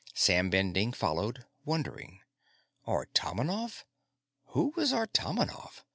Sam Bending followed, wondering. Artomonov? Who was Artomonov?